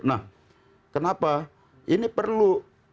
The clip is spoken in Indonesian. nah kenapa ini perlu